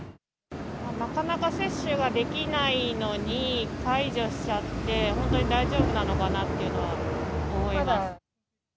なかなか接種ができないのに、解除しちゃって、本当に大丈夫なのかなっていうのは思います。